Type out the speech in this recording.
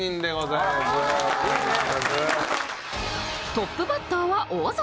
トップバッターは大園。